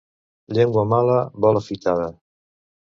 Llengua mala vol afitada.